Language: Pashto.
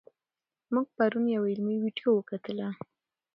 موږ پرون یوه علمي ویډیو وکتله.